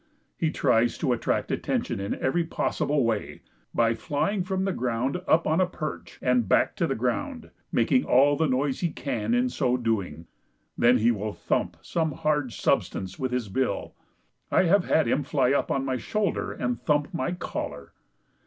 He tries to attract attention in every possible way, by flying from the ground up on a perch, and back to the ground, making all the noise he can in so doing. Then he will thump some hard substance with his bill. I have had him fly up on my shoulder and thump my collar.